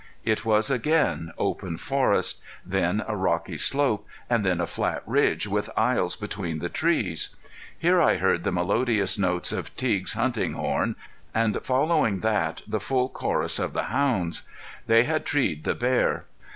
It was again open forest, then a rocky slope, and then a flat ridge with aisles between the trees. Here I heard the melodious notes of Teague's hunting horn, and following that, the full chorus of the hounds. They had treed the bear.